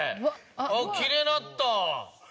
あっきれいなった。